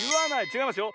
ちがいますよ。